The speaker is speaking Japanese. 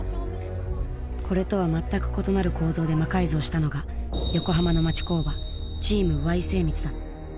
これとは全く異なる構造で魔改造したのが横浜の町工場チームＹ精密だ。